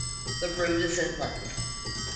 The road is in length.